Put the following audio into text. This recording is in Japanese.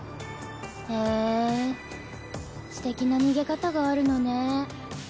へえすてきな逃げ方があるのね。